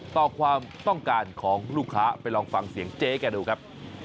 ต่อความต้องการของลูกค้าไปลองฟังเสียงเจ๊แกดูครับ